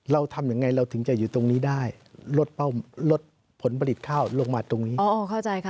เราทำยังไงเราถึงจะอยู่ตรงนี้ได้ลดผลผลิตข้าวลงมาตรงนี้